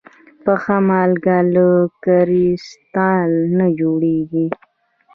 پخه مالګه له کريستال نه جوړېږي.